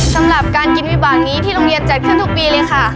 สำหรับการกินวิบากนี้ที่โรงเรียนจัดขึ้นทุกปีเลยค่ะ